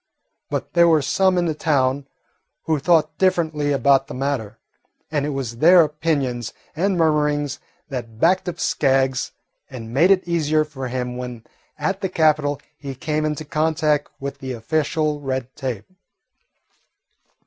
But there were some in the town who thought differently about the matter, and it was their opinions and murmurings that backed up Skaggs and made it easier for him when at the capital he came into contact with the official red tape.